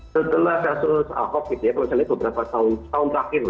setelah kasus covid misalnya beberapa tahun terakhir